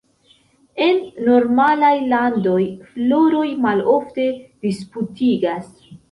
En normalaj landoj, floroj malofte disputigas.